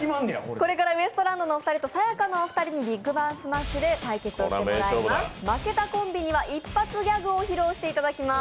これからウエストランドのお二人とさや香のお二人に「ビッグバンスマッシュ」で対決していただきます。